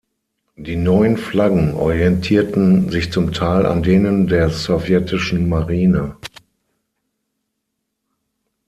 Die neuen Flaggen orientierten sich zum Teil an denen der Sowjetischen Marine.